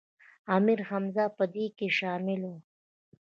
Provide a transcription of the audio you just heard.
امیر حمزه په دې کې شامل و.